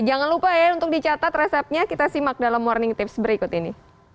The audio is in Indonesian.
jangan lupa ya untuk dicatat resepnya kita simak dalam morning tips berikut ini